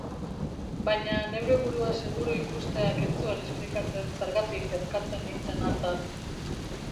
Baina neure burua seguru ikusteak ez zuen esplikatzen zergatik kezkatzen nintzen hartaz.